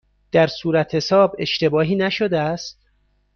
در صورتحساب اشتباهی نشده است؟